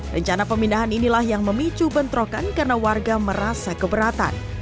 rencana pemindahan inilah yang memicu bentrokan karena warga merasa keberatan